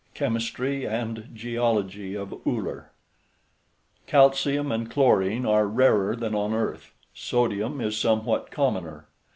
CHEMISTRY AND GEOLOGY OF ULLER Calcium and chlorine are rarer than on earth, sodium is somewhat commoner.